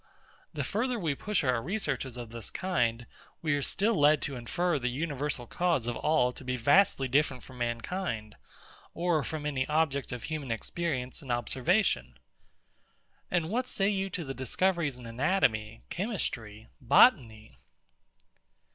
The further we push our researches of this kind, we are still led to infer the universal cause of all to be vastly different from mankind, or from any object of human experience and observation. And what say you to the discoveries in anatomy, chemistry, botany?...